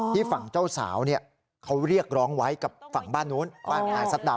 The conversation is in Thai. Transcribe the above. ที่ฝั่งเจ้าสาวนี่เขาเรียกร้องไว้กับฝั่งบ้านโน้น